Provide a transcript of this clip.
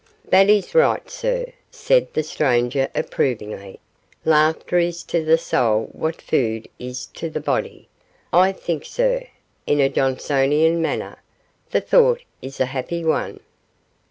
'That is right, sir,' said the stranger, approvingly; 'laughter is to the soul what food is to the body. I think, sir,' in a Johnsonian manner, 'the thought is a happy one.